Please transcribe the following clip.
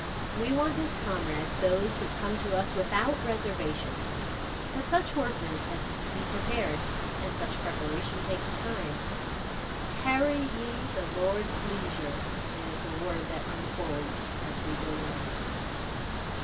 We want as comrades those who come to us without reservations. But such workers have to be prepared, and such preparation takes time. "Tarry ye the Lord's leisure," is a word that unfolds as we go on.